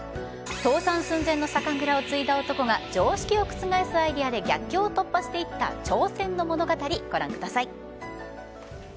倒産寸前の酒蔵を継いだ男が常識を覆すアイデアで逆境を突破していった挑戦の物語ご覧ください。